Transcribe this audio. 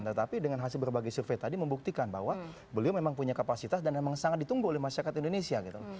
tetapi dengan hasil berbagai survei tadi membuktikan bahwa beliau memang punya kapasitas dan memang sangat ditunggu oleh masyarakat indonesia gitu